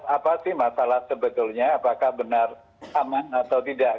apa sih masalah sebetulnya apakah benar aman atau tidak